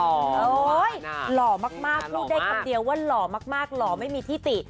หล่อมากพูดได้คำเดียวว่าหล่อมากหล่อไม่มีที่ติ